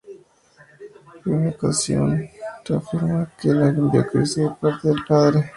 En una ocasión se afirma que lo envió Cristo de parte del Padre.